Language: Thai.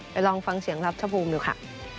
ไปลองฟังเสียงครับเจ้าภูมิดูค่ะ